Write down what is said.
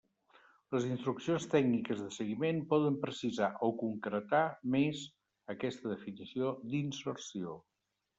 Les instruccions tècniques de seguiment poden precisar o concretar més aquesta definició d'inserció.